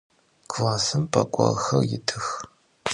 Klassım p'ek'orxer yitıx.